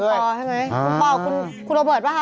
คุณปอใช่ไหมคุณปอคุณโรเบิร์ตปะค่ะ